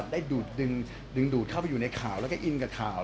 ได้ดูดดึงดูดเข้าไปอยู่ในข่าวแล้วก็อินกับข่าว